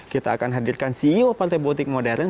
kita akan hadirkan ceo partai politik modern